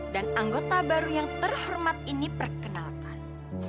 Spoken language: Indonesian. dan anggota baru yang terhormat ini perkenalkan